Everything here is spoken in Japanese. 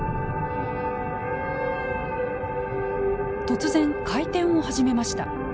突然回転を始めました。